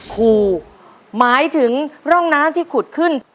ครูหมายถึงร่องน้ำที่ขุดขึ้น